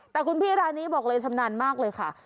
แต่คุณพี่ร้านนี้บอกเลยชำนาญมากเลยค่ะ